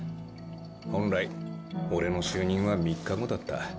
本来俺の就任は３日後だった。